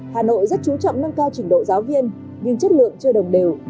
hà nội rất chú trọng nâng cao trình độ giáo viên nhưng chất lượng chưa đồng đều